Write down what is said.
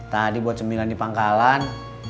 tadi buat cemilan di pangkalan